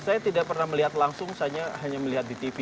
saya tidak pernah melihat langsung saya hanya melihat di tv